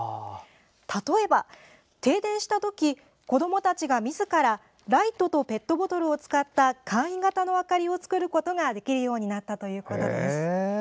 例えば、停電したとき子どもたちがみずからライトとペットボトルを使った簡易型の明かりを作ることができるようになったということです。